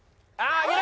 上げろ！